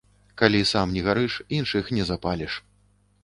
Калі сам не гарыш, іншых не запаліш.